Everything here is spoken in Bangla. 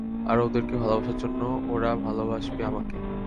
আর ওদেরকে ভালোবাসার জন্য ওরা ভালোবাসবে আমাকে।